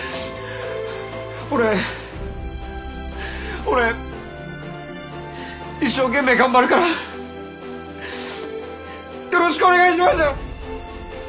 俺俺一生懸命頑張るからよろしくお願いします！